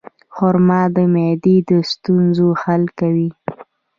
خرما د معدې د ستونزو حل کوي.